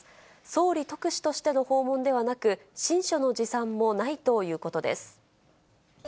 総理特使としての訪問ではなく親書の持参もないということです。